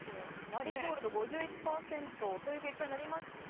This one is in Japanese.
マリーゴールド５１％という結果になりました。